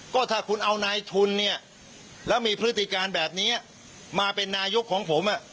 ก็ถ้าคุณเอานายทุนเนี่ยแล้วมีพฤติการแบบนี้มาเป็นนายกของผม